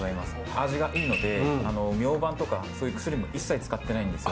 味がいいのでミョウバンとかそういう薬も一切使ってないんですよ。